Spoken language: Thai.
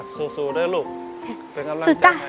สู้ด้วยลูกเป็นกำลังใจ